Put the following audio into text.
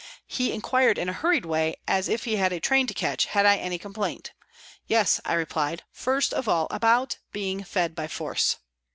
He inquired in a hurried way, as if he had a train to catch, had I any complaint ?" Yes," I replied, " first of all about being fed by force."